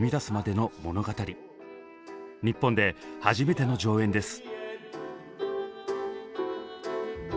日本で初めての上演です。